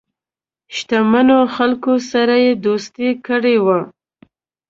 شته منو خلکو سره یې دوستی کړې وي.